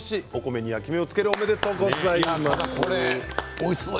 おいしそう。